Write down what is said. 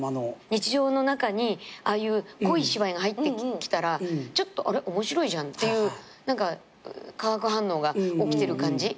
日常の中にああいう濃い芝居が入ってきたらちょっと面白いじゃんっていう化学反応が起きてる感じ。